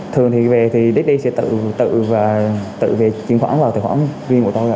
thường thì về thì daddy sẽ tự tự tự về truyền khoản vào truyền khoản viên của tôi